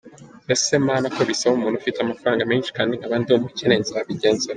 Mbese mana ko bisaba umuntu ufite amafaranga menshi kandi nkaba ndi umukene nzabigenza nte?.